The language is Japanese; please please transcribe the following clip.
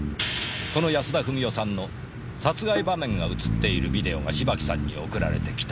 その安田富美代さんの殺害場面が映っているビデオが芝木さんに送られてきた。